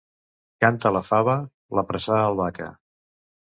Canta la fava! —l'apressà el Vaca.